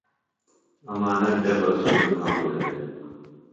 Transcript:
امانت دےۡ بہ سوۡ گِھنانوۡ گھرے۔